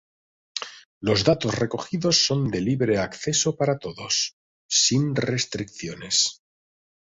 Los datos recogidos son de libre acceso para todos, sin restricciones.